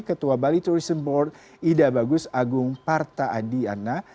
ketua bali tourism board ida bagus agung parta adiana